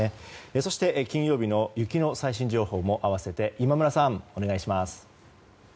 そして、金曜日の雪の最新情報も併せて、今村さんお願いします。